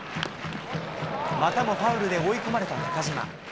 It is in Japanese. またもファウルで追い込まれた中島。